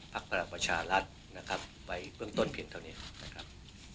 พลังประชารัฐนะครับไปเบื้องต้นเพียงเท่านี้นะครับ